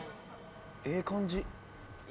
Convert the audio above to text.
ええ感じ。